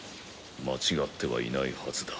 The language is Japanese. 間違ってはいないはずだ。